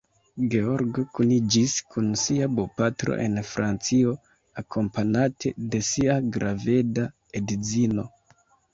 Georgo kuniĝis kun sia bopatro en Francio, akompanate de sia graveda edzino.